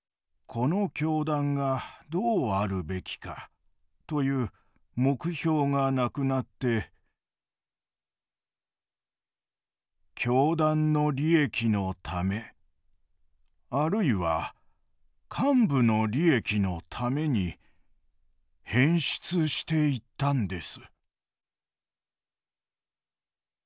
『この教団がどうあるべきか』という目標がなくなって教団の利益のためあるいは幹部の利益のために変質していったんです」。